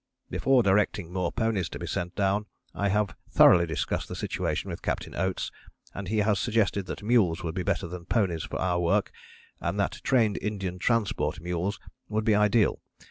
"Before directing more ponies to be sent down I have thoroughly discussed the situation with Captain Oates, and he has suggested that mules would be better than ponies for our work and that trained Indian Transport Mules would be ideal.